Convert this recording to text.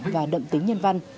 và đậm tính nhân văn